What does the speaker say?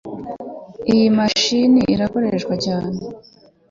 Iyi mashini irakoreshwa cyane